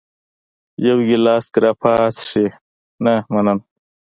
یو ګېلاس ګراپا څښې؟ نه، مننه.